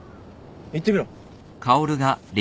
言ってみろ。